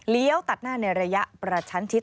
เลี้ยวตัดหน้าในระยะประชันชิด